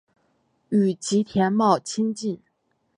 与吉田茂亲近。